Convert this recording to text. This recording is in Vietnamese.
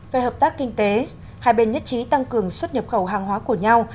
về hợp tác kinh tế hai bên nhất trí tăng cường xuất nhập khẩu hàng hóa của nhau